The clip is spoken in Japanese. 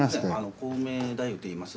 コウメ太夫といいます。